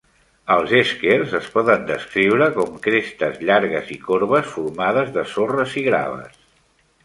Els eskers es poden descriure com crestes llargues i corbes formades de sorres i graves.